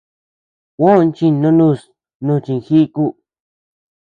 Juó chindonus no chinjíku.